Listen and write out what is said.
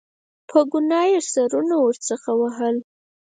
په ګناه یې سرونه ورڅخه وهل.